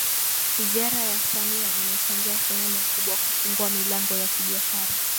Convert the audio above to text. Ziara ya Samia imechangia sehemu kubwa kufungua milango ya kibiashara